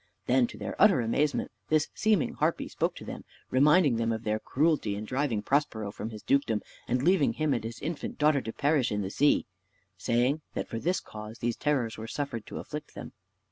Then, to their utter amazement, this seeming harpy spoke to them, reminding them of their cruelty in driving Prospero from his dukedom, and leaving him and his infant daughter to perish in the sea; saying, that for this cause these terrors were suffered to afflict them.